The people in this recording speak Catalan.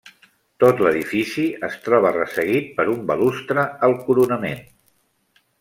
Tot l'edifici es troba resseguit per un balustre al coronament.